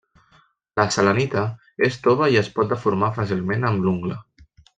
La selenita és tova i es pot deformar fàcilment amb l'ungla.